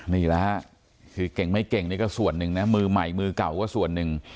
นี่แหละฮะคือเก่งไม่เก่งนี่ก็ส่วนหนึ่งนะมือใหม่มือเก่าก็ส่วนหนึ่ง